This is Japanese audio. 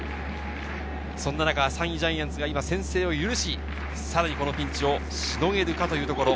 そんな中、３位ジャイアンツが先制を許し、さらにこのピンチをしのげるかというところ。